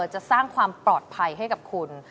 จะสร้างความปลอดภัยให้กับคุณ